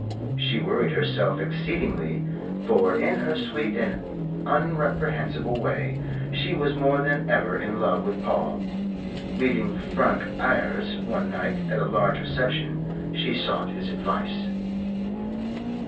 She worried herself exceedingly, for in her sweet and unreprehensible way she was more than ever in love with Paul. Meeting Frank Ayres one night at a large reception, she sought his advice.